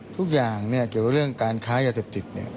ทุกอย่างเนี่ยเกี่ยวกับเรื่องการค้ายาเสพติดเนี่ย